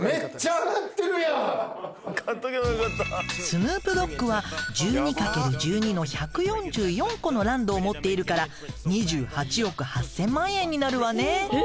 スヌープ・ドッグは１２×１２の１４４個のＬＡＮＤを持っているから２８億８，０００万円になるわね。